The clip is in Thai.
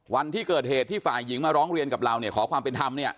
วันที่เกิดเหตุที่ฝ่ายหญิงมาร้องเรียนกับเราเนี่ยขอความเป็นธรรมเนี่ย